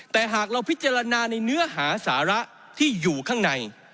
แต่หากเราพิจารณาในเนื้อหาสาระที่อยู่ข้างใน